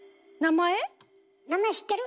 名前知ってる？